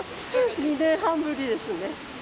２年半ぶりですね。